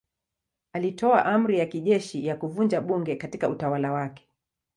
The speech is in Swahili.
Alitoa amri ya kijeshi ya kuvunja bunge katika utawala wake.